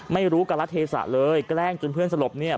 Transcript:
ไม่รู้การละเทศะเลยแกล้งจนเพื่อนสลบเนี่ย